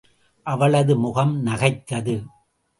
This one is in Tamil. அவளது முகம் நகைத்தது.